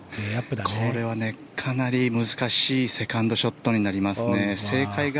これはかなり難しいセカンドショットになりますね。